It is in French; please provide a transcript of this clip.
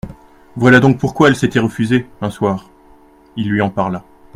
Voilà donc pourquoi elle s'était refusée, un soir ! Il lui en parla.